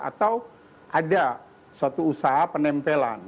atau ada suatu usaha penempelan